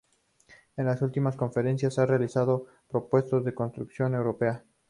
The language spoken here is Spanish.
En las últimas conferencias ha realizado propuestas de una Constitución Europea.